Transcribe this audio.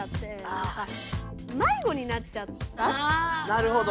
なるほど！